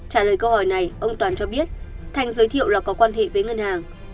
trả lời câu hỏi này ông toàn cho biết thành giới thiệu là có quan hệ với ngân hàng